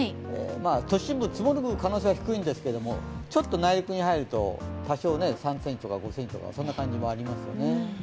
都心部、積もる可能性は低いんですけれども、ちょっと内陸に入ると多少、３ｃｍとか５ｃｍとかそんな感じもありますよね。